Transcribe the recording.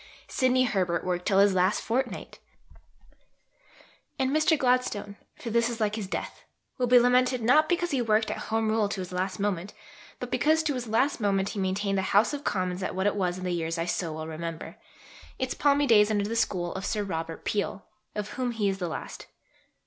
Sidney Herbert worked till his last fortnight. And Mr. Gladstone for this is like his death will be lamented not because he worked at Home Rule to his last moment, but because to his last moment he maintained the House of Commons at what it was in the years I so well remember, its palmy days under the School of Sir Robert Peel, of whom he is the last.